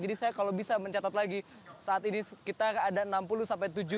jadi saya kalau bisa mencatat lagi saat ini sekitar ada enam puluh sampai tujuh puluh